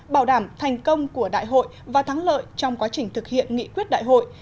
bảo đảm thành công của đại hội và thắng lợi trong quá trình thực hiện nghị quyết đại hội